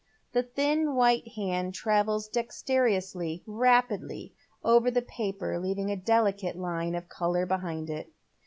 The thin white hand travels dexterously, rapidly over the paper, leaving a dehcate line of colour behind it.